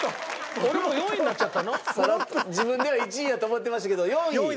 自分では１位やと思ってましたけど４位。